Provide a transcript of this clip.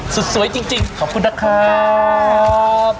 สุดสวยจริงขอบคุณนะครับ